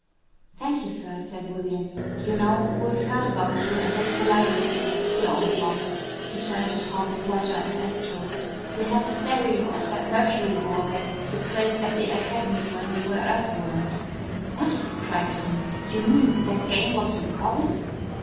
"Thank you, sir," said Williams. "You know, we've heard about you and the Polaris unit here on the Rock." He turned to Tom, Roger, and Astro. "We have a stereo of that mercuryball game you played at the Academy when you were Earthworms." "What?" cried Tom. "You mean that game was recorded?"